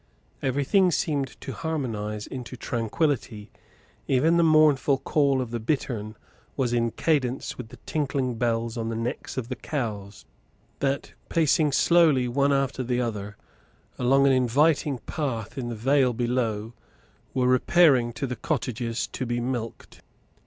Everything seemed to harmonise into tranquillity; even the mournful call of the bittern was in cadence with the tinkling bells on the necks of the cows, that, pacing slowly one after the other, along an inviting path in the vale below, were repairing to the cottages to be milked.